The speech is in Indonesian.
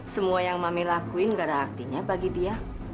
semua yang mami lakuin gak ada artinya bagi dia